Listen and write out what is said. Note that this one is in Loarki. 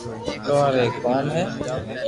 لوھار ايڪ قوم ھي